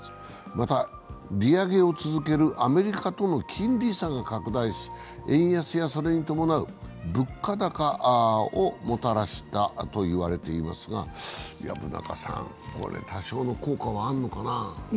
また、利上げを続けるアメリカとの金利差が拡大し、円安やそれに伴う物価高をもたらしたといわれていますが、これ多少の効果はあるのかな？